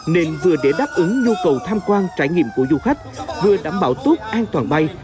nên vừa để đáp ứng nhu cầu tham quan trải nghiệm của du khách vừa đảm bảo tốt an toàn bay